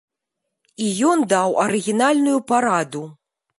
І ён даў арыгінальную параду.